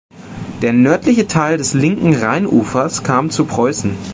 Der nördliche Teil des linken Rheinufers kam zu Preußen.